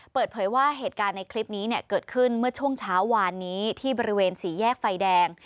เปิดเผยว่าเหตุการณ์ในคลิปนี้เนี่ยเกิดขึ้นเมื่อช่วงเช้าวานนี้ที่บริเวณสี่แยกไฟแดง